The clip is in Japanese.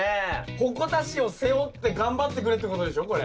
鉾田市を背負って頑張ってくれってことでしょこれ。